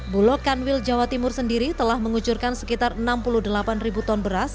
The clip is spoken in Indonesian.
bulog kanwil jawa timur sendiri telah mengucurkan sekitar enam puluh delapan ribu ton beras